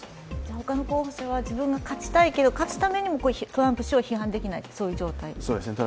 他の候補者は自分が勝ちたいけれども、勝つためにトランプ氏を批判できない状態。